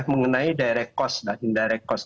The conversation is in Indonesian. mengenai daerah kos dan indahara kos